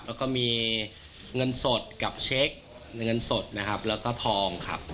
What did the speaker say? แล้วก็มีเงินสดกับเช็คเงินสดนะครับแล้วก็ทองครับ